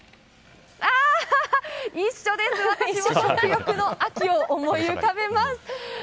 一緒です、私も食欲の秋を思い浮かべます。